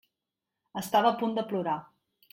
Estava a punt de plorar.